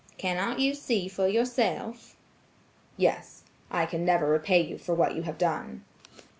Cannot you see for yourself?" "Yes; I can never repay you for what you have done."